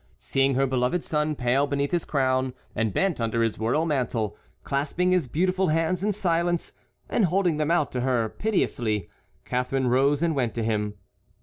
Seeing her beloved son pale beneath his crown, and bent under his royal mantle, clasping his beautiful hands in silence, and holding them out to her piteously, Catharine rose and went to him.